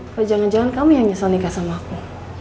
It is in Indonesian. kalau jangan jangan kamu yang nyesel nikah sama aku